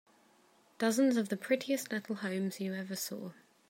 Dozens of the prettiest little homes you ever saw.